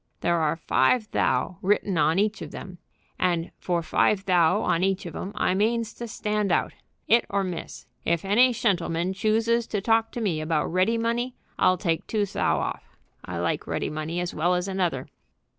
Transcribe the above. "There are five thou' written on each of them, and for five thou' on each of them I means to stand out. 'It or miss. If any shentleman chooses to talk to me about ready money I'll take two thou' off. I like ready money as well as another."